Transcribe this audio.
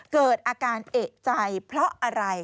เกิดอาการเอกใจเพราะอะไร